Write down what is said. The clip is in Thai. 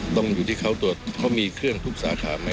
ต้องอยู่ที่เขามีเครื่องทุกสาขา